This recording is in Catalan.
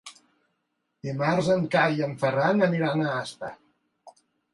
Dimarts en Cai i en Ferran aniran a Aspa.